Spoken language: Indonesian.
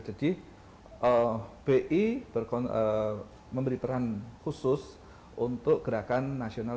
jadi bi memberi peran khusus untuk gerakan nasional